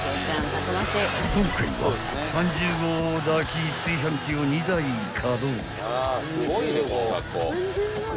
［今回は３０合炊き炊飯器を２台稼働］